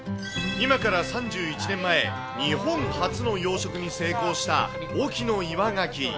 今から３１年前、日本初の養殖に成功した隠岐の岩ガキ。